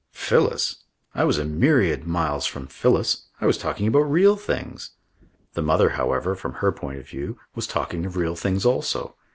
Phyllis! I was a myriad miles from Phyllis. I was talking about real things. The mother, however, from her point of view, was talking of real things also.